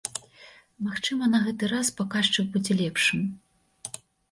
Магчыма, на гэты раз паказчык будзе лепшым.